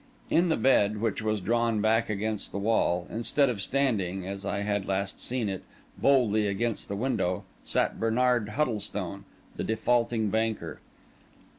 In the bed, which was drawn back against the wall, instead of standing, as I had last seen it, boldly across the window, sat Bernard Huddlestone, the defaulting banker.